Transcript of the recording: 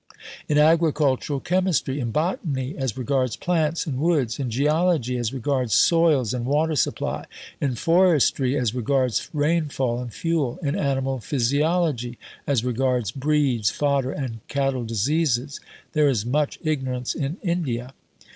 In agricultural chemistry, in botany (as regards plants and woods), in geology (as regards soils and water supply), in forestry (as regards rainfall and fuel), in animal physiology (as regards breeds, fodder, and cattle diseases), there is much ignorance in India.